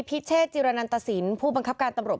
พิเชษจิรณันตสินผู้บังคับการตำรวจ